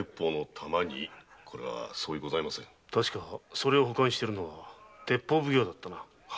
それを保管しているのは鉄砲奉行だったな？